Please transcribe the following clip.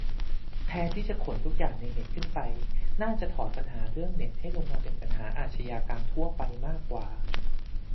แทนที่จะขนทุกอย่างในเน็ตขึ้นไป น่าจะถอดปัญหาเรื่องเน็ตให้ลงมาเป็นปัญหาอาชญากรรมทั่วไปมากกว่า